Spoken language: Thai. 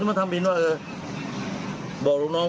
เราก็ไม่เคยเสียงดัง